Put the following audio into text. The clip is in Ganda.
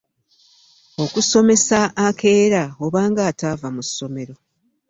Okusomesa akeera oba nga ataava mu ssomero.